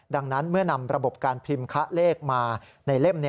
ดังนั้นเมื่อนำระบบการพิมพ์คะเลขมาในเล่ม